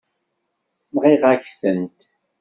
Nɣiɣ-ak-tent.